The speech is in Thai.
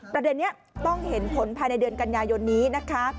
ประเด็นนี้ต้องเห็นผลภายในเดือนกันยายนนี้นะคะ